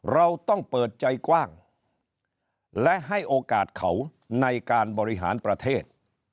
เราต้องเปิดใจกว้างและให้โอกาสเขาในการบริหารประเทศ